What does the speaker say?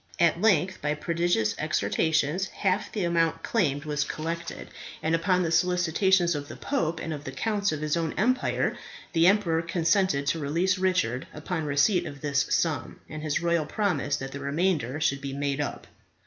At length, by prodigious exertions, half the amount claimed was collected, and upon the solicitations of the pope and of the counts of his own empire, the emperor consented to release Richard upon, receipt of this sum and his royal promise that the remainder should be made up.